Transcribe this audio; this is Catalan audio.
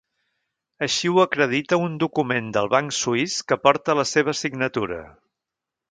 Així ho acredita un document del banc suís que porta la seva signatura.